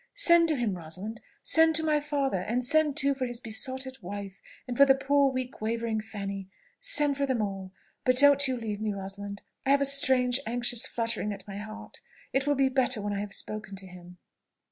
Send to him, Rosalind send to my father; and send too for his besotted wife, and for the poor, weak, wavering Fanny. Send for them all. But don't you leave me, Rosalind. I have a strange, anxious fluttering at my heart. It will be better when I have spoken to him."